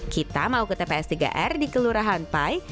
kita mau ke tps tiga r di kelurahan pai